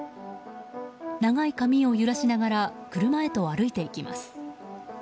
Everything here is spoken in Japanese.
長い髪を揺らしながら車へと歩いていきます。